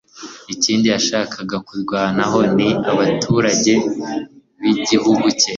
Ikindi yashakaga kurwanaho ni abaturage b'igihugu cye,